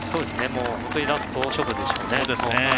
本当にラスト勝負でしょうね。